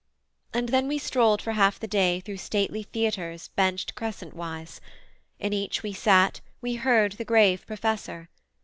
And then we strolled For half the day through stately theatres Benched crescent wise. In each we sat, we heard The grave Professor.